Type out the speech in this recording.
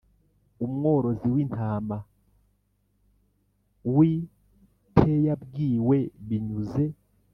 Umworozi w intama w i teyabwiwe binyuze